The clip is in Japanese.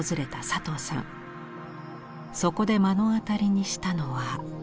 そこで目の当たりにしたのは。